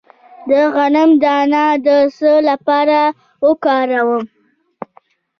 د غنم دانه د څه لپاره وکاروم؟